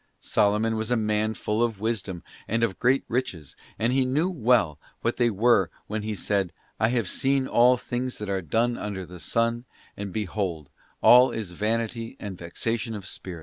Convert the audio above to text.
Solomon was a man full of wisdom and of great riches, and he knew well what they were when he said, 'I have seen all things that are done under the sun, and behold all is vanity and vexation of spirit * Ecclus.